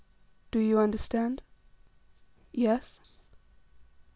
"Do you understand?" "Yes."